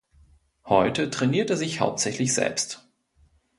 Heute trainiert er sich hauptsächlich selbst.